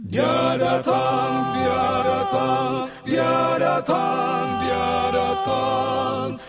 dia datang dia datang dia datang dia datang